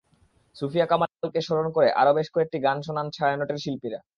সুফিয়া কামালকে স্মরণ করে আরও বেশ কয়েকটি গান শোনান ছায়ানটের শিল্পীরা।